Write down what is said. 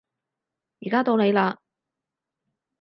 而家到你嘞